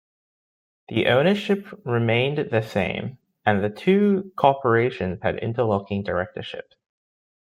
The ownership remained the same, and the two corporations had interlocking directorships.